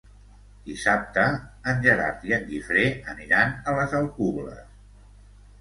Dissabte en Gerard i en Guifré aniran a les Alcubles.